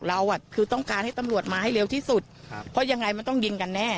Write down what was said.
เราอ่ะคือต้องการให้ตำรวจมาให้เร็วที่สุดเพราะยังไงมันต้องยิงกันแน่